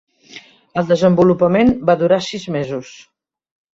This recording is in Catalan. El desenvolupament va durar sis mesos.